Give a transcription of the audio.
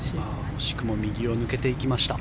惜しくも右を抜けていきました。